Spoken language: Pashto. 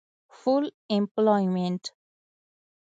Full Employment